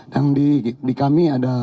dan di kami ada